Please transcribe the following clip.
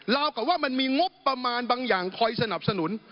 กับว่ามันมีงบประมาณบางอย่างคอยสนับสนุน